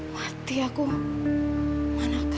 masih ada yang nangis